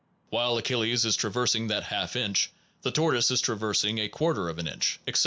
While Achilles is traversing that half inch, the tortoise is traversing a quarter of an inch, etc.